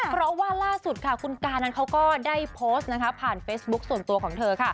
เพราะว่าล่าสุดค่ะคุณการนั้นเขาก็ได้โพสต์นะคะผ่านเฟซบุ๊คส่วนตัวของเธอค่ะ